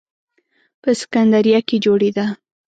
په سکندریه کې جوړېده.